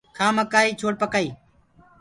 کآ مڪآئي ڇوڙ پڪآئي